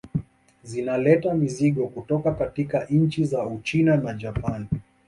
Zinaleta mizigo kutoka katika nchi za Uchina na Japani